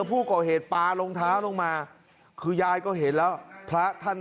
เจอผู้ก่อเหตุปาลงท้าลงมาคือย่ายก็เห็นแล้วถ้าท่านจะวิ่งนะ